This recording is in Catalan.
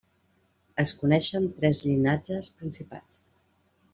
Es coneixen tres llinatges principals.